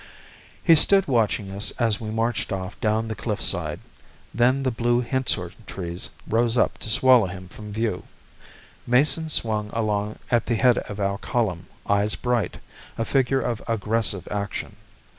He stood watching us as we marched off down the cliff side. Then the blue hensorr trees rose up to swallow him from view. Mason swung along at the head of our column, eyes bright, a figure of aggressive action.